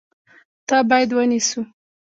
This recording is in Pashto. تا باید ونیسو !